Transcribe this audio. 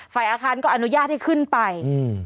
อาคารก็อนุญาตให้ขึ้นไปอืม